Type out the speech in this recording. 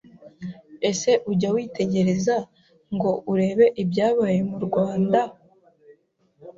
ese ujya witegereza ngo urebe ibyabaye mu rwanda,